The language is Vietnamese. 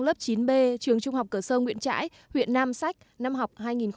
lớp chín b trường trung học cờ sơ nguyễn trãi huyện nam sách năm học hai nghìn một mươi năm hai nghìn một mươi sáu